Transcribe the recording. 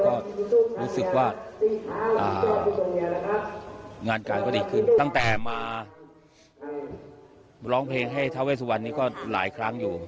ก็รู้สึกว่างานการก็ดีขึ้นตั้งแต่มาร้องเพลงให้ทาเวสวันนี้ก็หลายครั้งอยู่